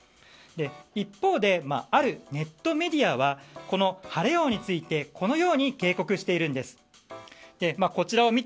一方であるネットメディアは晴王についてこのように警告しているんです。